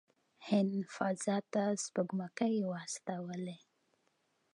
هند فضا ته سپوږمکۍ واستولې.